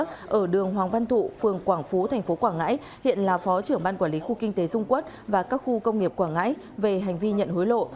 đường hoàng văn thụ phường quảng phú tp quảng ngãi hiện là phó trưởng ban quản lý khu kinh tế dung quốc và các khu công nghiệp quảng ngãi về hành vi nhận hối lộ